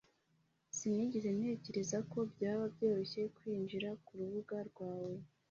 Sinigeze ntekereza ko byaba byoroshye kwinjirira kurubuga rwawe.